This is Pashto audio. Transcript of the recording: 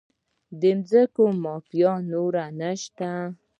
د ځمکو مافیا نور نشته؟